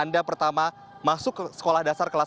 anda pertama masuk ke sekolah dasar kelas tiga